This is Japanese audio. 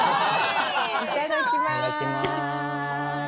いただきます。